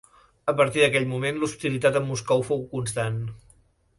A partir d'aquell moment l'hostilitat amb Moscou fou constant.